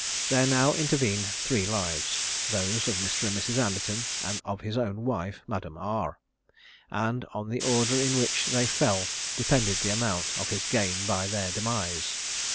there now intervened three lives, those of Mr. and Mrs. Anderton, and of his own wife, Madame R, and on the order in which they fell depended the amount of his gain by their demise.